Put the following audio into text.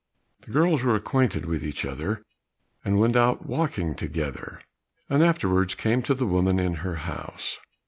The girls were acquainted with each other, and went out walking together, and afterwards came to the woman in her house.